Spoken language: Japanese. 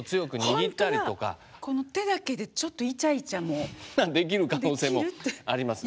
この手だけでちょっとできる可能性もありますね。